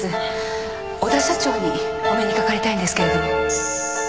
小田社長にお目にかかりたいんですけれど。